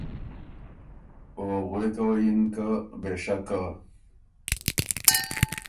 او غوېکه وه یِن که ”بې شکه“